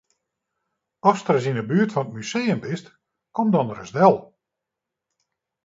Ast ris yn 'e buert fan it museum bist, kom dan ris del.